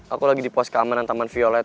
aku lagi di pos keamanan taman violet